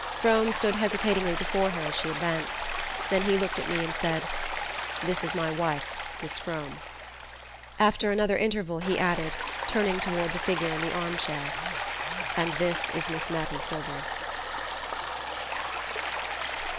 Frome stood hesitatingly before her as she advanced; then he looked at me and said: "This is my wife, Mis' Frome." After another interval he added, turning toward the figure in the arm chair: "And this is Miss Mattie Silver..."